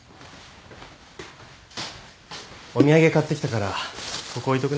お土産買ってきたからここ置いとくね。